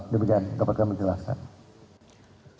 demikian dapat kita menjelaskan